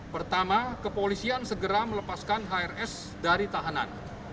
pertama kepolisian segera melepaskan hrs dari tahanan